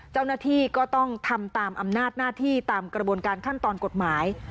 เจ้าหน้าที่ก็ต้องทำตามอำนาจหน้าที่ตามกระบวนการขั้นตอนกฎหมาย